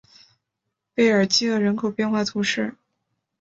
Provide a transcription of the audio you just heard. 贝尔济厄人口变化图示